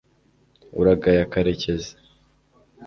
uragaya karekezi